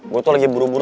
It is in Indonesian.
gue tuh lagi buru buru